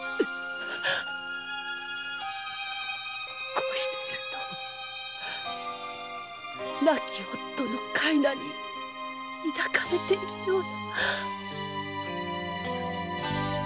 こうしていると亡き夫の腕に抱かれているような。